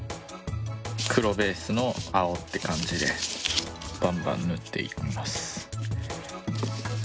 黒ベースの青って感じでバンバン塗っていきます。